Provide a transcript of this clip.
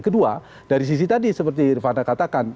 kedua dari sisi tadi seperti rifat ada katakan